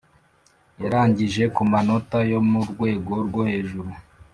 yarangije kumanota yomurwego rwohejuru .